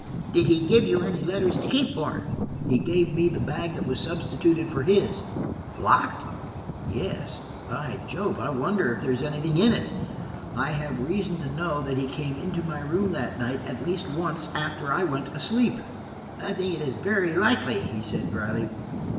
"Did he give you any letters to keep for him?" "He gave me the bag that was substituted for his." "Locked?" "Yes. By Jove, I wonder if there is anything in it? I have reason to know that he came into my room that night at least once after I went asleep." "I think it is very likely," he said dryly.